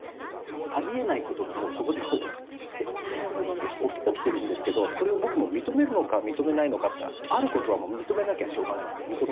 ありえないことがもうそこで起きてるんですけどそれを僕も認めるのか認めないのかっていったらあることはもう認めなきゃしょうがないので認めるんですけど。